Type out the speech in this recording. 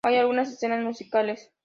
Hay algunas escenas musicales.